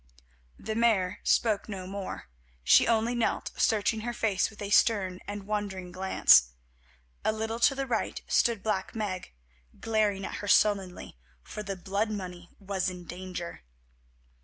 The Mare spoke no more, she only knelt searching her face with a stern and wondering glance. A little to the right stood Black Meg, glaring at her sullenly, for the blood money was in danger.